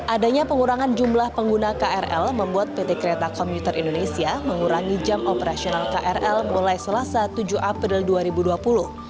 adanya pengurangan jumlah pengguna krl membuat pt kereta komuter indonesia mengurangi jam operasional krl mulai selasa tujuh april dua ribu dua puluh